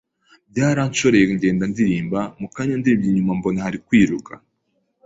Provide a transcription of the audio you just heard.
baranshoreye ngenda ndirimba, mu kanya ndebye inyuma mbona bari kwiruka